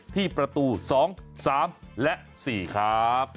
ที่ประตู๒๓และ๔ครับ